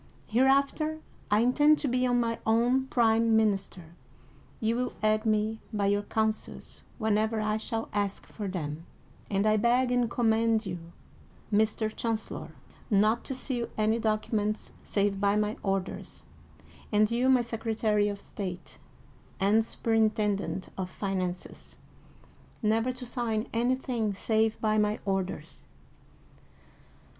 Hereafter I in tend to be my own prime minister. You will aid me by your counsels whenever I shall ask for them, and I beg and command you, Mr. Chancellor, not to seal any docu ments save by my orders, and you, my Secretary of State, and Superintendent of Finances, never to sign anything save by my orders."